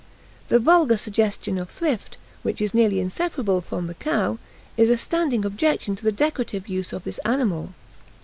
The vulgar suggestion of thrift, which is nearly inseparable from the cow, is a standing objection to the decorative use of this animal.